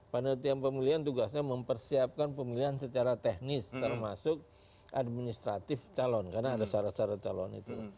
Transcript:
panitia pemilihan tugasnya mempersiapkan pemilihan secara teknis termasuk administratif calon karena ada syarat syarat calon itu